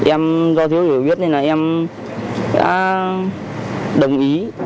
em do thiếu hiểu biết nên là em đã đồng ý